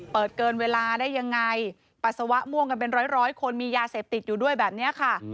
เปิดเกินเวลาได้ยังไงปัสสาวะม่วงกันเป็นร้อยคนมียาเสพติดอยู่ด้วยแบบนี้ค่ะ